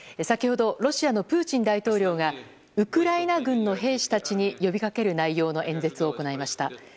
先ほどロシアのプーチン大統領がウクライナ軍の兵士たちに呼びかける内容の演説を行いました。